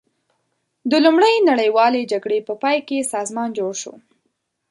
د لومړۍ نړیوالې جګړې په پای کې سازمان جوړ شو.